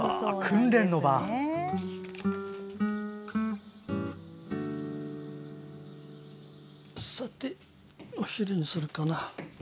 さて、お昼にするかな。